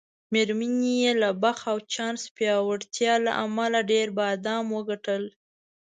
میرمنې یې له بخت او چانس پیاوړتیا له امله ډېر بادام وګټل.